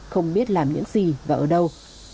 không biết làm những gì và ở đâu